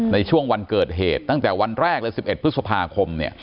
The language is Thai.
ในช่วงวันเกิดเหตุตั้งแต่วันแรกเลย๑๑พฤษภาคม